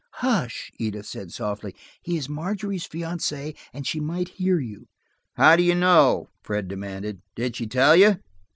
"Hush," Edith said softly. "He is Margery's fiancé, and she might hear you." "How do you know?" Fred demanded. "Did she tell you?"